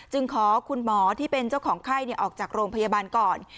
ขอคุณหมอที่เป็นเจ้าของไข้ออกจากโรงพยาบาลก่อน